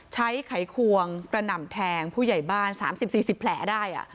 ไขควงกระหน่ำแทงผู้ใหญ่บ้าน๓๐๔๐แผลได้